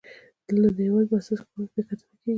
دلته د هیواد په اساسي قانون بیا کتنه کیږي.